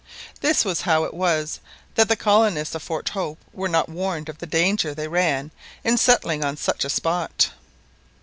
This was how it was that the colonists of Fort Hope were not warned of the danger they ran in settling on such a spot.